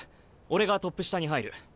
俺がトップ下に入る。